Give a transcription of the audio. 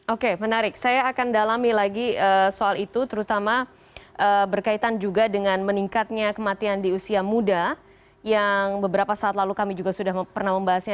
oke menarik saya akan dalami lagi soal itu terutama berkaitan juga dengan meningkatnya kematian di usia muda yang beberapa saat lalu kami juga sudah pernah membahasnya